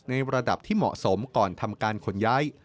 ในระดับที่เหมาะสมก่อนทำการขนย้าย